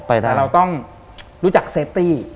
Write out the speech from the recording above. แต่เราต้องรู้จักเซฟตี้